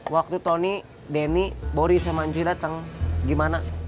waktu tony denny boris sama cuy datang gimana